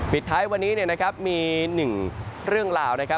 ปิดท้ายวันนี้มี๑เรื่องราว